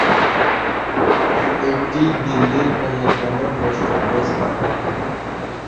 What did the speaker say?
এটি দিল্লির অন্যতম দ্রষ্টব্য স্থান।